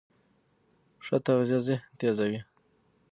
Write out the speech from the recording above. ښه تغذیه ذهن تېزوي.